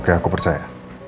oke aku percaya